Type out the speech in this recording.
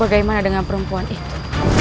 bagaimana dengan perempuan itu